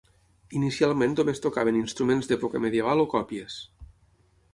Inicialment només tocaven instruments d'època medieval o còpies.